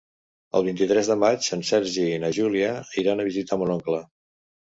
El vint-i-tres de maig en Sergi i na Júlia iran a visitar mon oncle.